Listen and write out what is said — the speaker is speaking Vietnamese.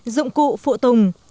dụng cụ phụ tùng